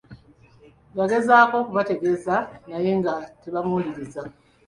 Yagezaako okubategeeza naye nga tebamuwuliriza.